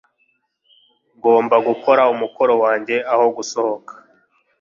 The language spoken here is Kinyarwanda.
Ngomba gukora umukoro wanjye aho gusohoka.